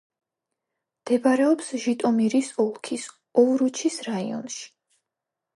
მდებარეობს ჟიტომირის ოლქის ოვრუჩის რაიონში.